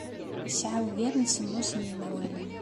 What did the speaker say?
Yesɛa ugar n semmus n yimawalen.